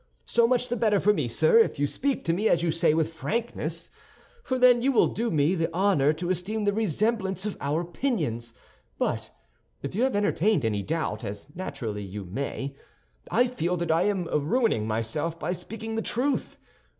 So much the better for me, sir, if you speak to me, as you say, with frankness—for then you will do me the honor to esteem the resemblance of our opinions; but if you have entertained any doubt, as naturally you may, I feel that I am ruining myself by speaking the truth.